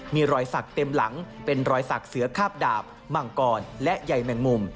มีรอยสักเต็มหลังเป็นรอยสักเสือคาบดาบมังกรและใยแมงมุม